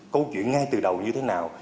câu chuyện ngay từ đầu như thế nào